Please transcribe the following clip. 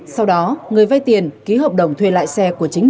sau đó người vay tiền ký hợp đồng thuê lại xe